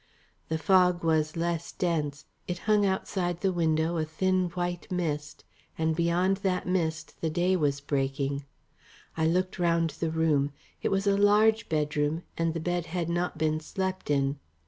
The fog was less dense, it hung outside the window a thin white mist and behind that mist the day was breaking. I looked round the room. It was a large bedroom, and the bed had not been slept in.